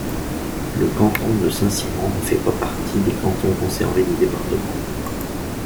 Le canton de Saint-Simon ne fait pas partie des cantons conservés du département.